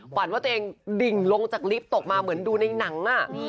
ฝันว่าตัวเองดิ่งลงจากลิฟต์ตกมาเหมือนดูในหนัง